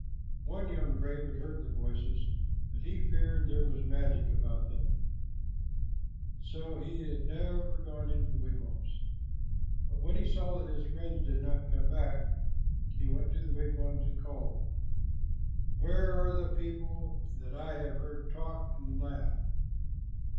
One young brave had heard the voices, but he feared there was magic about them, and so he had never gone into the wigwams; but when he saw that his friends did not come back, he went to the wigwams and called, "Where are all the people that I have heard talk and laugh?"